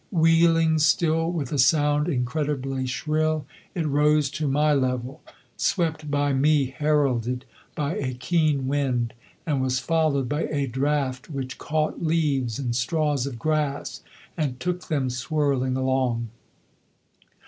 Wheeling still with a sound incredibly shrill it rose to my level, swept by me heralded by a keen wind, and was followed by a draught which caught leaves and straws of grass and took them swirling along.